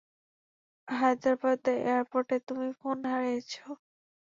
হায়দ্রাবাদ এয়ারপোর্টে তুমি ফোন হারিয়েছ।